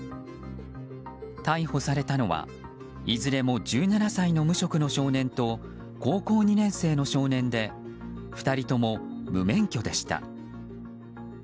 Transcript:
逮捕されたのはいずれも１７歳の無職の少年と高校２年生の少年で２人とも無免許でした。